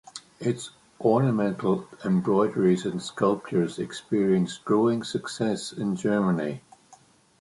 Its ornamental embroideries and sculptures experienced growing success in Germany.